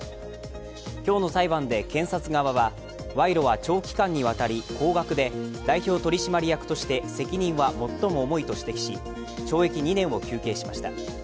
今日の裁判で検察側は賄賂は長期間にわたり、高額で代表取締役として責任は最も重いと指摘し、懲役２年を求刑しました。